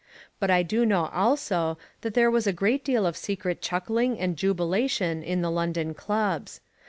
But I do know also that there was a great deal of secret chuckling and jubilation in the London clubs.